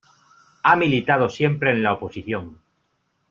Ha militado siempre en la oposición.